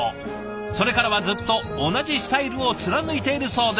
それからはずっと同じスタイルを貫いているそうです。